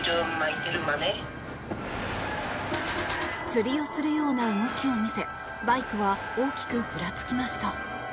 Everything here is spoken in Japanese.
釣りをするような動きを見せバイクは大きくふらつきました。